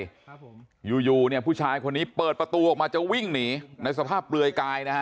อยู่อยู่เนี่ยผู้ชายคนนี้เปิดประตูออกมาจะวิ่งหนีในสภาพเปลือยกายนะฮะ